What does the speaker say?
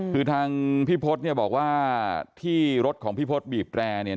คือทางพี่พศเนี่ยบอกว่าที่รถของพี่พศบีบแรร์เนี่ย